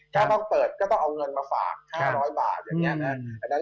ถ้าต้องเปิดก็ต้องเอาเงินมาฝากยังไง